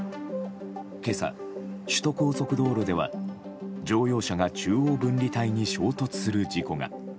今朝、首都高速道路では乗用車が中央分離帯に衝突する事故が。